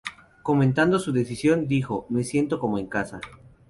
Comentando su decisión, dijo: "Me siento como en casa.